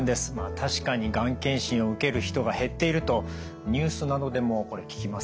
確かにがん検診を受ける人が減っているとニュースなどでもこれ聞きますよね。